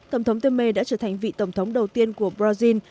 tổng thống temer đã trở thành vị tổng thống đầu tiên của brazil